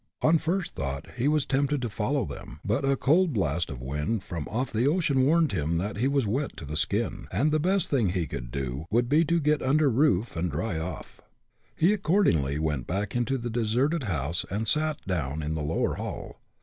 On first thought, he was tempted to follow them, but a cold blast of wind from off the ocean warned him that he was wet to the skin, and the best thing he could do would be to get under roof and dry off. He accordingly went back into the deserted house, and sat down in the lower hall.